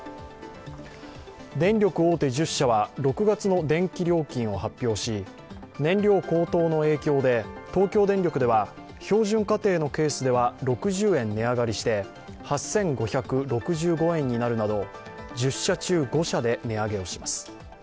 電力大手１０社は、６月の電気料金を発表し燃料高騰の影響で東京電力では標準家庭のケースでは６０円値上がりして８５６５円になるなど１０社中５社で値上げをします。